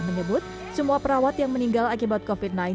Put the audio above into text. menyebut semua perawat yang meninggal akibat covid sembilan belas